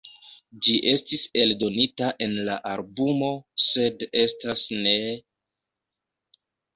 Ĝi estis eldonita en la albumo "Sed estas ne..."